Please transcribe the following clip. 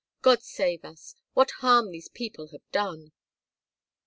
God save us, what harm these people have done!"